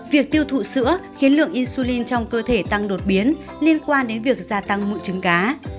việc tiêu thụ sữa khiến lượng insulin trong cơ thể tăng đột biến liên quan đến việc gia tăng bụi trứng cá